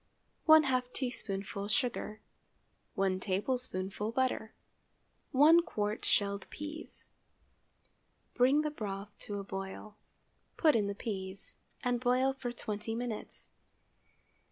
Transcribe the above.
½ teaspoonful sugar. 1 tablespoonful butter. 1 qt. shelled peas. Bring the broth to a boil; put in the peas, and boil for twenty minutes.